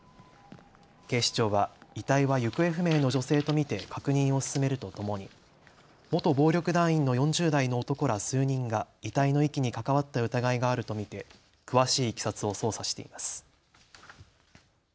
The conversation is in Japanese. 警視庁は遺体は行方不明の女性と見て確認を進めるとともに元暴力団員の４０代の男ら数人が遺体の遺棄に関わった疑いがあると見て詳しいいきさつを捜査しています。